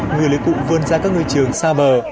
người lấy cụ vươn ra các ngư trường xa bờ